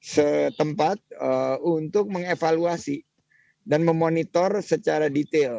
setempat untuk mengevaluasi dan memonitor secara detail